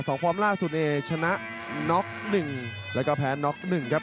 ฟอร์มล่าสุดเอชนะน็อกหนึ่งแล้วก็แพ้น็อกหนึ่งครับ